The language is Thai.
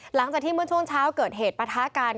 หลังจากที่เมื่อช่วงเช้าเกิดเหตุปะทะกัน